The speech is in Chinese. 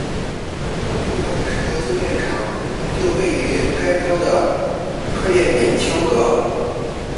乌主要的石油精炼厂就位于该州的克列缅丘格。